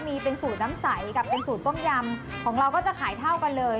มีเป็นสูตรน้ำใสกับเป็นสูตรต้มยำของเราก็จะขายเท่ากันเลย